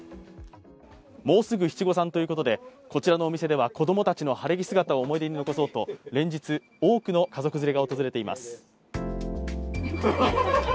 もうすぐ七五三ということで、こちらのお店では子供たちの晴れ着姿を思い出を残そうと、連日多くの家族連れが訪れています。